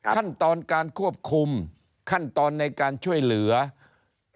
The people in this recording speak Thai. ขั้นตอนการควบคุมขั้นตอนในการช่วยเหลือ